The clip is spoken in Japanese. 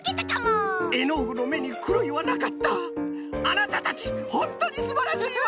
あなたたちホントにすばらしいわ！